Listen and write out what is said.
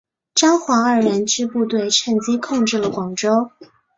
张黄二人之部队趁机控制了广州。